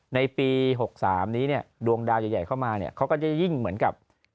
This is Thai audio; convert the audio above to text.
ในปี๖๓นี้เนี่ยดวงดาวใหญ่เข้ามาเนี่ยเขาก็จะยิ่งเหมือนกับ